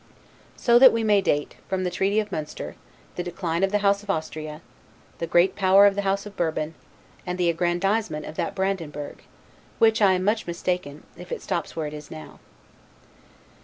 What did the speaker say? So that we may date, from the treaty of Munster, the decline of the House of Austria, the great power of the House of Bourbon, and the aggrandizement of that of Bradenburg: which, I am much mistaken, if it stops where it is now.